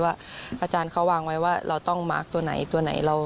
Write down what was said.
อาจารย์เขาวางไว้ว่าเราต้องมาร์คตัวไหนตัวไหน